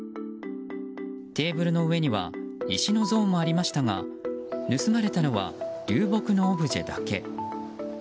テーブルの上には石の像もありましたが盗まれたのは流木のオブジェだけ。